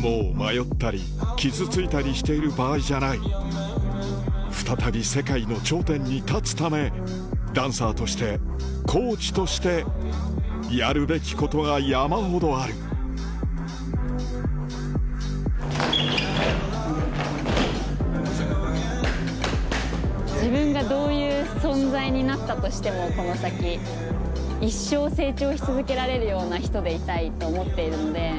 もう迷ったり傷ついたりしている場合じゃない再び世界の頂点に立つためダンサーとしてコーチとしてやるべきことが山ほどある自分がどういう存在になったとしてもこの先一生成長し続けられるような人でいたいと思っているので。